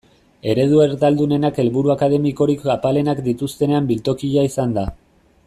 Eredu erdaldunenak helburu akademikorik apalenak dituztenen biltokia izan da.